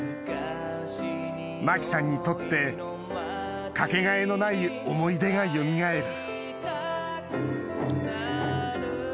麻貴さんにとってかけがえのない思い出がよみがえる